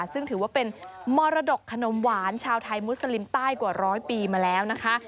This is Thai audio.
ซึ่งถือว่าเป็นมรดกขนมหวานชาวไทยมุสลิมใต้กว่าร้อยปีมาแล้วนะคะ